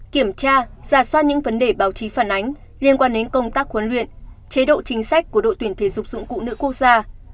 kiểm tra giả soát những vấn đề báo chí phản ánh liên quan đến công tác huấn luyện chế độ chính sách của đội tuyển thể dục dụng cụ nữ quốc gia